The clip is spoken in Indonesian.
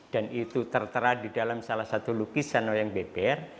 dan itu tertera di dalam salah satu lukisan wayang beber